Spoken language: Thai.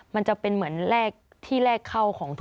มันจะเป็นเหมือนแรกที่แรกเข้า